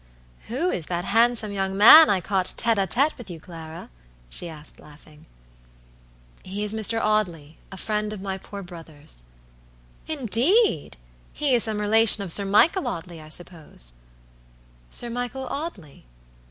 "Who is that handsome young man I caught tête a tête with you, Clara?" she asked, laughing. "He is a Mr. Audley, a friend of my poor brother's." "Indeed! He is some relation of Sir Michael Audley, I suppose?" "Sir Michael Audley!"